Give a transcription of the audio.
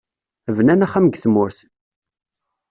Bnan axxam deg tmurt.